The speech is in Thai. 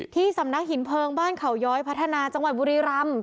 ที่สำนักหินเพลิงบ้านเขาย้อยพัฒนาจังหวัดบุรีรำ